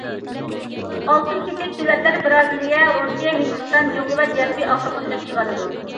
ئالتۇن كېسەك دۆلەتلەر بىرازىلىيە، رۇسىيە، ھىندىستان، جۇڭگو ۋە جەنۇبىي ئافرىقىنى ئۆز ئىچىگە ئالىدۇ.